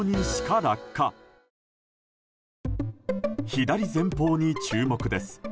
左前方に注目です。